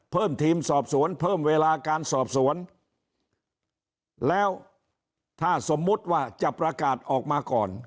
ทีมสอบสวนเพิ่มเวลาการสอบสวนแล้วถ้าสมมุติว่าจะประกาศออกมาก่อน